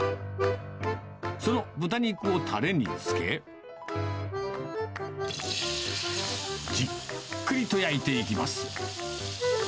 その豚肉をたれに漬け、じっくりと焼いていきます。